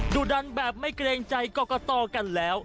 ดุดันแบบไม่เกรงใจกรกตกันแล้ว